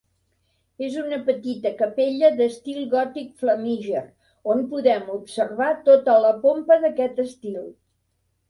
És una petita capella d'etil gòtic flamíger, on podem observar tota la pompa d'aquest estil.